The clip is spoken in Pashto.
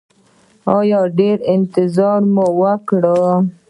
ایا ډیر انتظار مو وکړ؟